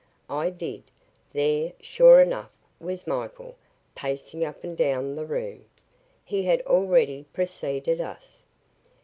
I did. There, sure enough, was Michael, pacing up and down the room. He had already preceded us.